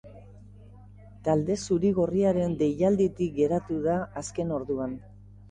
Talde zuri-gorriaren deialditik geratu a azken orduan.